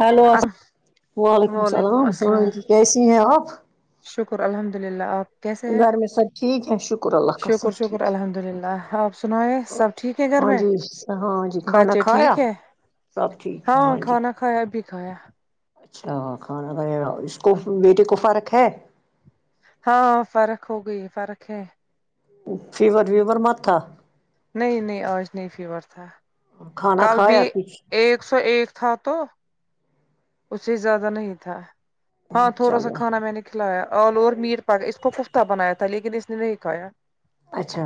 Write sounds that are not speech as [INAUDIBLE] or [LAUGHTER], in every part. hello وعلیکم السلام ہاں جی کیسی ہیں آپ شکر الحمد للہ آپ کیسے ہیں گھر میں سب ٹھیک ہے شکر اللہ شکر کاسب شکر ٹھیک ہے الحمد للہ آپ سنائے سب ٹھیک ہے گھر ہاں میں جی ہاں جی کھانا بچے کھایا ٹھیک ہے سب ٹھیک ہے ہاں جی کھایا ابھی کھایا اچھا کھانا کھیا اس کو بیٹے کو فرق ہے ہاں فرق ہو گئی فرق ہے فیور ویور مت تھا نہیں نہیں آج نہیں فیور تھا کھانا کل بھی کھایا کچھ ایک سو ایک تھا تو اس سے زیادہ نہیں تھا ہاں تھوڑا سا چلو کھانا میں نے کھلایا اور آلو میر پر اس کو کفتہ بنایا تھا لیکن اس نے نہیں کھایا اچھا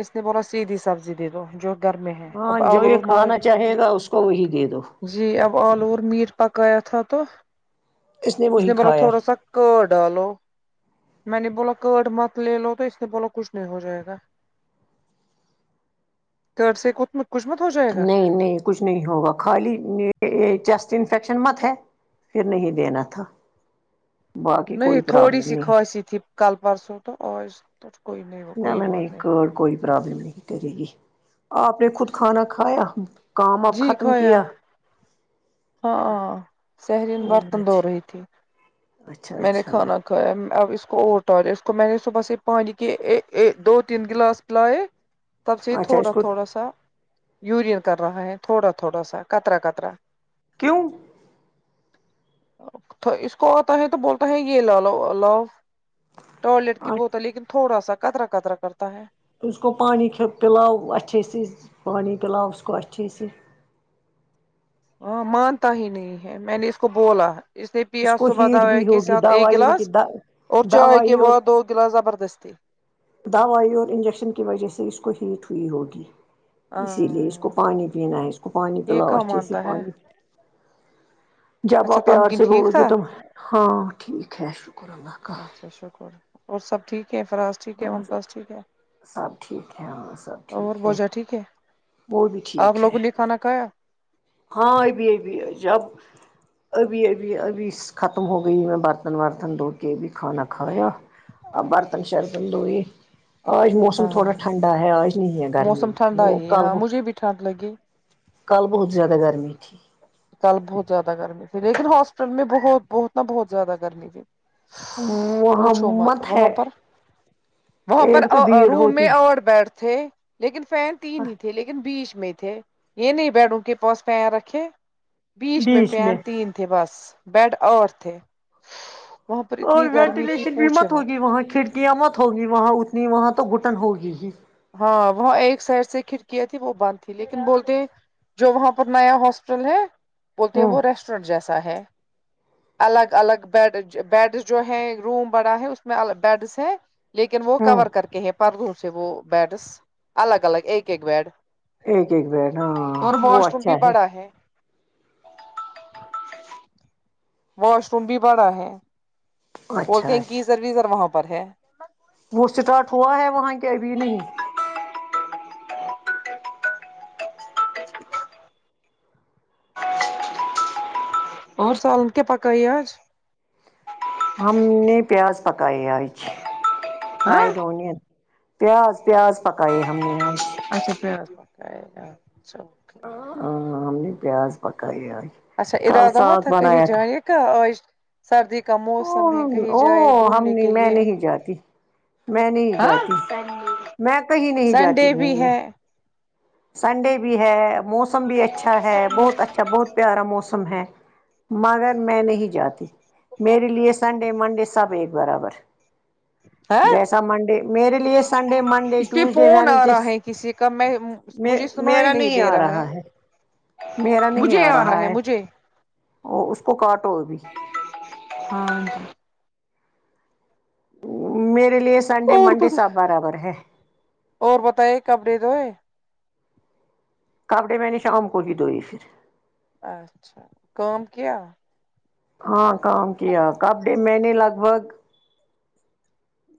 اس نے بولا سیدھی سبزی دے دو جو گھر میں ہے ہاں اب جو آلو یہ اور موز کھانا چاہے گا اس کو وہی دے دو جی اب آلو اور میٹ پکایا تھا تو اس نے بولا تھوڑا سا کرڈ ڈالو میں نے بولا کرڈ مت لے لو تو اس نے بولا کچھ نہیں ہو جائے گا کرڈ سے کچھ مت کچھ مت ہو جائے گا نہیں نہیں کچھ نہیں ہوگا خالی چیسٹ انفیکشن مت ہے پھر نہیں دینا تھا باقی کوئی نہیں تھوڑی پرابلم سی نہیں کاسیی تھی کل پرسوں تو آج تو کوئی نہیں کوئی اللہ بات نے نہیں کرڈ کوئی پرابلم نہیں کرے گی آپ نے خود کھانا کھایا کام آپ جی ختم کھایا کیا ہاں سہرین برتن دھو رہی تھی اچھا میں نے اچھا کھانا تھا اب اس کو اوٹا دیں اس کو میں نے صبح سے پانی کے آ آدو تین گلاس پلائے تب سے یہ اچھا اس تھوڑا کو تھوڑا سا یورین کر رہا ہے تھوڑا تھوڑا سا کطرا کطرا کیوں تو اس کو ہے تو بولتا ہے یہ لا لو لاؤ ٹوائلٹ کی بوت ہے لیکن تھوڑا سا کترا کترا کرتا ہے اس کو پانی پلاؤ اچھے سے پانی پلاؤ اس کو اچھے سے ہاں مانتا ہی نہیں ہے میں نے اس کو بولاہے اس لیے پیا کو صبح ہیٹ دوی بھی ہوگی اکےسات ایک دوائی ان گلاس کی اور چائے کے دوائی اور بعد دو گلاس زبردست تھی دوائی اور انجیکشن کی وجہ سے اس کو ہیٹ ہوئی ہوگی اسی لیے اس کو ہاں پانی پینا ہے اس کو پانی یہ پلاو کہاں اچھے اس مانتا ہے پانی جب اچھا آپ پیار تمکن سے ٹھیک بولو گے تھا تم ہاں ٹھیک ہے شکر اللہ کا اچھا شکر اور سب ٹھیک ہے فراز ٹھیک ہے ام پاس ٹھیک ہے سب ٹھیک ہے ہاں سب اور ٹھیک بوجا ٹھیک ہے وہ بھی آپ ٹھیک ہے لوگوں نے کھانا کھایا ہاں ابھی ابھی ہے جب ابھی ابھی ابھی ختم ہو گئی میں برتن ورتن دھو کے بھی کھانا کھایا آ برتن شرتن لوئی آج موسم تھوڑا ہاں ٹھنڈا ہے آج نہیں ہے گرمی موسم یہ ٹھنڈا وہ ہی ہے کل ہاں وہ مجھے بھی ٹھنڈ لگی کل بہت زیاد ہ گرمی تھی کل بہت زیادہ گرمی تھی لیکن ہاسپٹل میں بہت بہت نا بہت زیادہ گرمی تھی پوچھو مت محمت ہے وہاں پر وہاں پر ایک تو بھیڑ روم میں ہوتی اور ہے بیٹھ تھے لیکن فین تین ہی تھے لیکن بیچ میں تھے یہ نہیں بیڈ روم کے پاس فین رکھے بیچ میں فین تین تھے بس بیڈ آٹھ تھے وہاں پر اور اتنی گرمی تھی وینٹیلیشن بھی پوچھے مت ہوگی وہاں کھڑکیاں مت ہوگی وہاں اتنی وہاں تو گھوٹن ہوگی ہی ہاں وہاں ایک سائڈ سے کھڑکیاں تھی وہ بند تھی لیکن بولتے ہیں جو وہاں پر نیا ہاسپٹل ہے بولتے ہیں ہوں وہ ریسٹورینٹ جیسا ہے الگ الگ بیڈ بیڈس جو ہے روم بڑا ہے اس میں بیڈس ہیں لیکن وہ ہوں کور کر کے ہیں پر دوں سے وہ بیڈس الگ الگ ایک ایک بیڈ ایک ایک بیڈ ہاں اور وہ واش روم اچھا بھی بڑا ہے واش روم بھی پڑا ہے اچھا بولتے ہیں کہ اچھا گیزر ویزر وہاں پر ہے وہ اسٹارٹ ہوا ہے وہاں کے ابھی نہیں اور سالن کیا پکائی آج ہم نے پیاز پکائی آج ہاں فرائیڈ ہونی پیاز پیاز پکائے ہم نے آج اچھا پیاز پکائی آج ہ ہم نے پیاز پکا ئی ا آ اچھا ادر ادھر تھا کہیں جانے کا آج سردی کا موسم ہے کہیں جائے او ہم گھومنے نہیں کے میں لیے نہیں جاتی میں نہیں ہاں جاتی میں کہیں نہیں جاتی سنڈے بھی گھومنے ہے سنڈے بھی ہے موسم بھی اچھا ہے بہت اچھا بہت پیارا موسم ہے مگر میں نہیں جاتی میرے لیے سنڈے منڈے سب سب ایک برابر ہاں جیسا منڈے میرے لیے سنڈے منڈے اس پہ ٹوزڈے فون آ وینسڈے رہا ہے کسی کا میں مجھے سنا ہی نہیں دے رہا ہے میرا نہیں آ رہا ہے وہ اس کو کاٹو ابھی ہاں جی میرے لیے سنڈے اور منڈے بتا سب برابر ہے اور بتائیں کب دے گئے کپڑے میں نے شام کو بھی دھوئی پھر اچھا کام کیا ہاں کام کیا کب ڈے میں نے لگ بھگ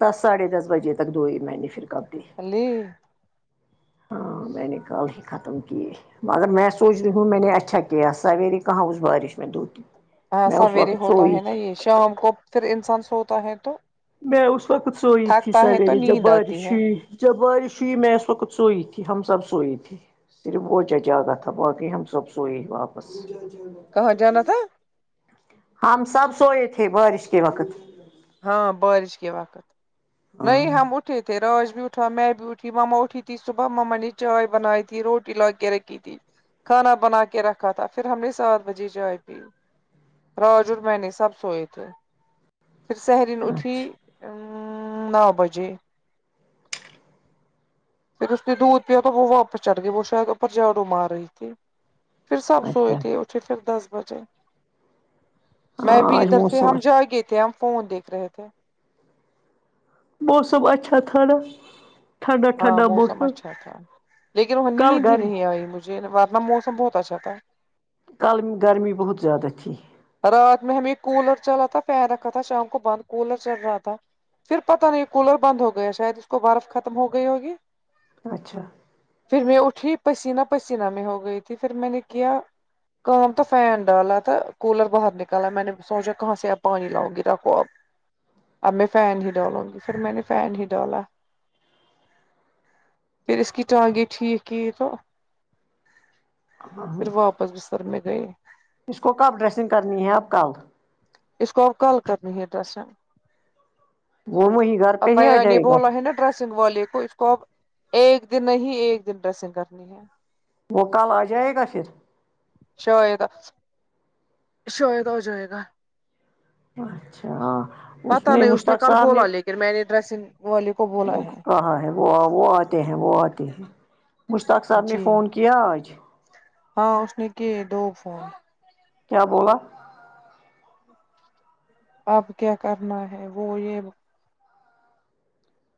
دس ساڑھے دس بجے تک دو ہی میں نے پھر کپڑے علیی ہاں میں نے کال ہی ختم کیے مگر میں سوچ رہی ہوں میں نے اچھا کیا سویری کہاں اس بارش میں دھو ہاں سویرے ہوتا ہے نا یے شام کو پھر انسان سوتا ہے تو میں اس وقت سوئی تھی تھکتا ہے تو سویرے جب نیند بارش آتی ہے ہوئی جب بارش ہوئی میں اس وقت سوئی تھی ہم سب سوئی تھے صرف وہ چچا کا تھا باقی ہم سب سوئے ہی واپس کہاں جانا تھا ہم سب سوئے تھے بارش کے وقت ہاں بارش کے وقت ہاں نہیں ہم اٹھ اٹھے تھے راج بیٹھا میں بھی بیٹھی ماما اٹھی تھی صبح مما نے چائے بنائے تھی روٹی لا کے رکھی تھی کھانا بنا کے رکھا تھا پھر ہم نے سات بجے چائے پی راج اور میں نے سب سوئے تھے پھر سہری میں اٹھی اچھا نو بجے [INAUDIBLE] پھر اس نے دودھ پیا تو وہ واپس چڑھ گئی وہ شاید اوپر جاڑو مار رہی تھی پھر سب اچھا سوئے تھے اٹھے پھر دس بجے ہاں میں بھی آج ادھر تھے موسم ہم جا اچھا گے تھے ہم فون دیکھ رہے تھے موسم اچھا تھا نا ٹھنڈا ہاں ٹھنڈا موسم اچھا تھا لیکن وہاں کل نیند ہی گرمی نہیں آئی مجھے ورنہ موسم بہت اچھا تھا کل گرمی بہت زیادہ تھی رات میں ہمیں کولر چلا تھا پیر رکھا تھا شام کو بند کولر چل رہا تھا پھر پتہ نہیں کولر بند ہو گیا شاید اس کو برف ختم ہو گئی ہوگی اچھا پھر میں اٹھی پسینہ پسینہ میں ہو گئی تھی پھر میں نے کیا کام تو فین ڈالا تھا کولر باہر نکالا میں نے سوچا کہاں سے آپ پانی لاؤ گی رکھو اب اب میں فین ہی ڈالوں گی پھر میں نے فین ہی ڈالا پھر اس کی ٹگے ٹھیک کی تو پھر واپس بستر میں گئے اس کو کب ڈریسنگ کرنی ہے اب ک اس کو اب کل کرنی ہے ڈریسنگ وہ می گار پہ اب ہی آ بھیا نے جائے گا بولا ہے نا ڈریسنگ والے کو اس کو اب ایک دن نہیں ایک دن ڈریسنگ کرنی ہے وہ کل آ جائے گا پھر شاید شاید آجائیگا اچھا ہاں پتا نہیں اس نے کل بولا لیکن میں نے ڈریسنگ والے کو وہ بولا ہے کہا ہے وہ وہ آتے ہیں وہ آتے ہیں مشتاق صاحب نے جی فون کیا آج ہاں اس نے کی دو فون کیا بولا اب کیا کرنا ہے وہ یہ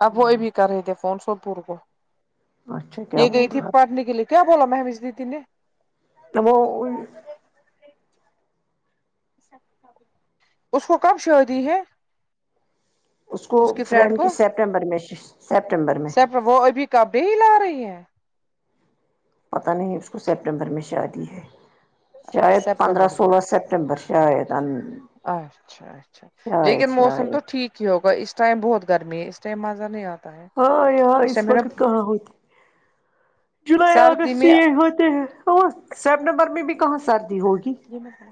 اب وہ ابھی کر رہے تھے فون سوپور کو اچھا کیا یہ بول گئی تھی رہا پڑھنے کے لیے کیا بولا مہویش دیدی نے وہ ان اس کو کب شادی ہے اس کو فرینڈ کے سپٹمبر میں سپٹمبر میں سیپ وہ ابھی کبھی لا رہی ہیں پتا نہیں اس کو سپٹمبر میں شادی ہے شاید پندرہ سپٹمبر میں سولہ سپٹمبر شاید ان اچھا اچھا لیکن موسم تو شاید ٹھیک ہی ہوگا اس ٹائم بہت گرمی ہے اس ٹائم مزہ نہیں آتا ہے ہاں یہاں اس ٹائم میرا وقت کہاں ہوتی ہیں جولائی سردی اگست میں یہ ہوتے ہیں ہاں سپٹمبر میں بھی کہاں سردی ہوگی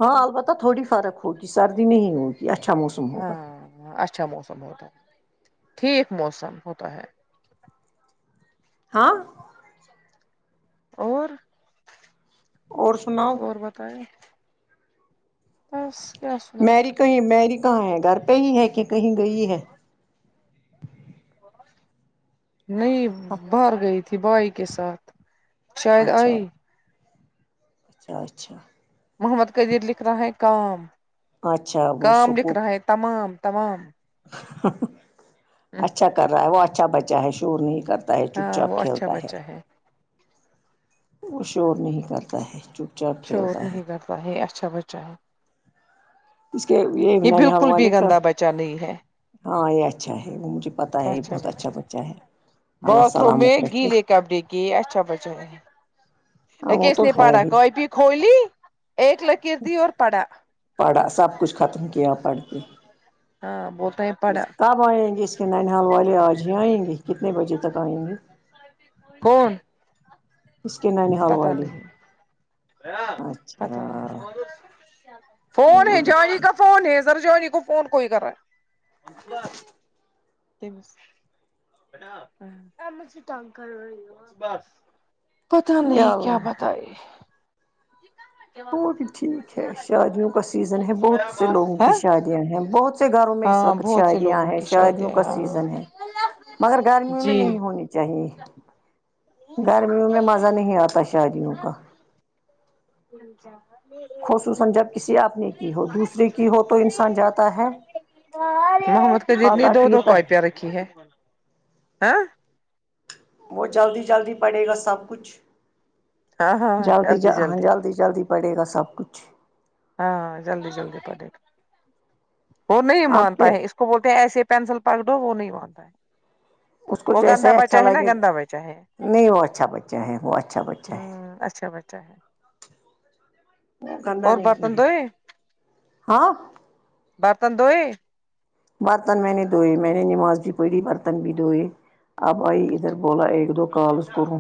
ہاں البتہ تو تھوڑی فرق ہوگی سردی نہیں ہوگی اچھا موسم ہوگا ہاں ہ اچھا موسم ہوتا ہے ٹھیک موسم ہوتا ہے ہاں اور اور سناؤ اور بتایں بس کیا سنائیں کہ میری کہاں ہے گھر پہ ہی ہے کہ کہیں گئی ہے نہیں باہر گئی تھی بھائی کے ساتھ شاید اچھا آئی اچھا اچھا محمد قدیر لکھ رہا ہے کام اچھا وہ کام لکھ سکول رہا ہے تمام تمام اچھا کر رہا ہے وہ اچھا بچہ ہے شور نہیں کرتا اہے چپ ہاں چاپ وہ اچھا کھیلتا ہے بچہ وہ شور نہیں کرتا ہے چاپ شور کھیلتا ہے نہیں کرتا ہے اچھا بچہ ہے اس کے لیے نینحال والک جانی ہے ہاں یہ اچھا ہے وہ مجھے پتا ہے یہ بہت اچھا بچہ ہے اللہ سلامت رکھے ک اچھا بچے ہاں وہ تو نے ہے ہی [UNINTELLIGIBLE] کھولی ایک لکیر دی اور پڑا پڑھا سب کچھ ختم کیا پڑھ کے ہاں بولتا ہے پڑا کب آئیں گے اس کے نینحال والے آج ہی آئیں گے کتنے بجے تک آئیں گے کون اس کے نند پتا نہیں پتا نہیں اچھا فون وہ ہے بھی جونی کا ٹھیک فون ہے ذرا جونی کو فون کوئی کر رہا ہے [UNINTELLIGIBLE] آپ اسے تنگ کر رہی ہو پتا نہیں یا کیا اللہ بتائے وہ بھی ٹھیک ہے شادیوں کا سیزن ہے بہت سے لوگوں کی ہاں شادیاں ہیں بہت اتے گھروں میں اس ہاں وقت بہت سے شادیاں لوگوں ہیں کی شادیوں شادیاں کا ہاں سیزن ہے مگر گرمیوں میں جی نہیں ہونی چاہیے گرمیوں میں مزہ نہیں آتا شادیوں کا [UNINTELLIGIBLE] خصوصا جب کسی آپنے کی ہو دوسرے کی ہو تو انسان جاتا ہے محمد کوجتنی کھاتا دو دو پیتا بیٹ کیا رکھی ہے ہاں وہ جلدی جلدی پڑے گا سب کچھ جلدی جلدی ہاں جلدی جلدی پڑے گا سب کچھ ہاں جلدی جلدی پڑے گا اور نہیں آپ مان کے تا ہے اسکو کو بولتے ہیں ایسے پینسل پکڑو وہ نہیں مانتا ہے اس کو وہ جیسے گندا ہی اچھا بچہ ہے نا لگے گندا بچہ ہے نہیں وہ اچھا بچہ ہے وہ اچھا بچہ ہے ہوں اچھا بچہ ہے اور [UNINTELLIGIBLE] برتن دھوئے ہاں برتن دھوئے برتن میں نے دھوئے میں نے نماز بھی پڑھی برتن بھی دھوئے اب آئی ادھر اچھا بولا ایک دو کالس کرو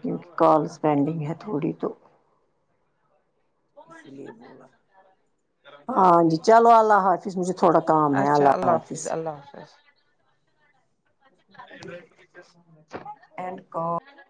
کیونکہ کالس پینڈنگ ہے تھوڑی تو اس لیے بولا ہاں جی چلو اللہ حافظ مجھے تھوڑا کام ہے اللہ حافظ اللہ حافظ [UNINTELLIGIBLE] اینڈ [UNINTELLIGIBLE]